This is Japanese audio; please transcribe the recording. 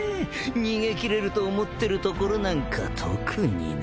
逃げ切れると思ってるところなんか特にね。